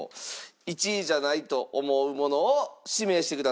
１位じゃないと思うものを指名してください。